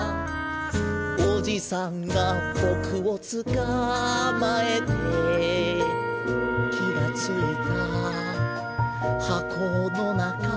「おじさんがボクをつかまえて」「気がついた箱のなか」